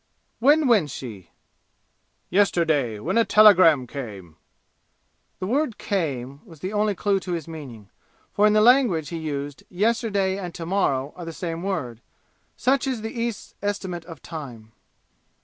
"When went she?" "Yesterday, when a telegram came." The word "came" was the only clue to his meaning, for in the language he used "yesterday" and "to morrow" are the same word; such is the East's estimate of time.